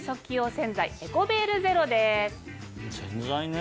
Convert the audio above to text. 洗剤ね。